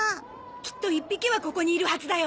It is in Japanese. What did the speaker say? きっと１匹はここにいるはずだよ。